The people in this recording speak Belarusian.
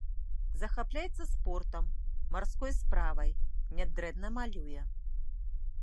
Захапляецца спортам, марской справай, нядрэнна малюе.